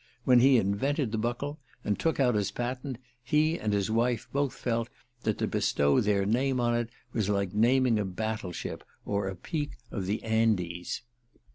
When he invented the Buckle, and took out his patent, he and his wife both felt that to bestow their name on it was like naming a battle ship or a peak of the Andes.